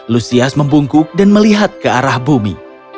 lusias membungkuk dan melihat ke arah bumi